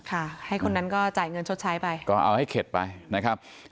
ค่ะให้คนนั้นก็จ่ายเงินชดใช้ไปก็เอาให้เข็ดไปนะครับ